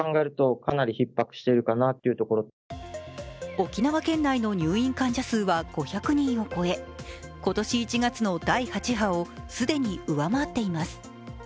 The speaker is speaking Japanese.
沖縄県内の入院患者数は５００人を超え今年１月の第８波を既に上回っています。